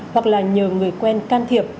hoặc là nhờ người quen can thiệp